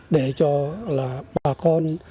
để cho là bà con